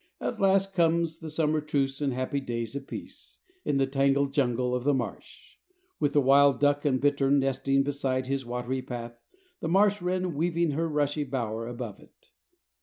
At last comes the summer truce and happy days of peace in the tangled jungle of the marsh, with the wild duck and bittern nesting beside his watery path, the marsh wren weaving her rushy bower above it.